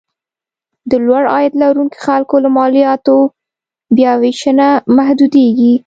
د لوړ عاید لرونکو خلکو له مالیاتو بیاوېشنه محدودېږي.